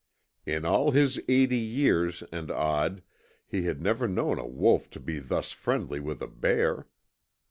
In all his eighty years and odd he had never known a wolf to be thus friendly with a bear.